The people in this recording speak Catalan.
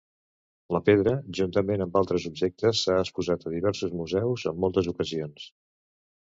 La pedra, juntament amb altres objectes, s'ha exposat a diversos museus en moltes ocasions.